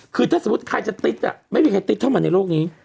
คือถ้าสมมุติใครจะติดไม่มีใครติดเข้ามาในโลกนี้